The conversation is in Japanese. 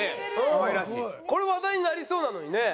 これ話題になりそうなのにね。